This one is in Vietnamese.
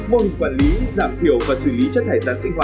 môn quản lý giảm thiểu và xử lý chất hải sản sinh hoạt